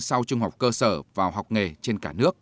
sau trung học cơ sở vào học nghề trên cả nước